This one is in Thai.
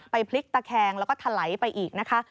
พลิกตะแคงแล้วก็ถลายไปอีกนะคะ